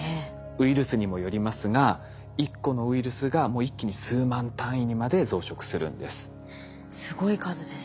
ウイルスにもよりますが１個のウイルスがもう一気に数万単位にまで増殖するんです。